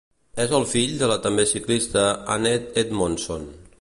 És el fill de la també ciclista Annette Edmondson.